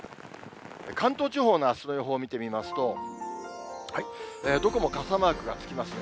関東地方のあすの予報を見てみますと、どこも傘マークがつきますね。